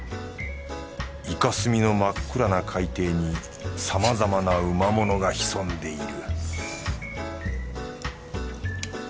イカスミの真っ暗な海底にさまざまなうまものが潜んでいる